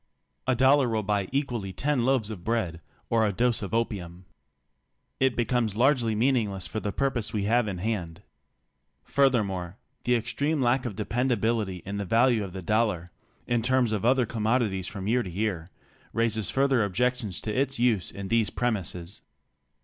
A dollar will buy equally ten loaves of bread or a dose of opium. It becomes largely meaningless for the purpose we have in hand. Furthermore, the extreme lack of dependability in the value of the dollar in terms of other commodities from year to year, raises " Reconstruction and Construction, Senate Document, March, 1920. 13 further objections to its use in these premises.